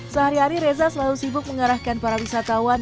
sehari hari reza selalu sibuk mengarahkan para wisatawan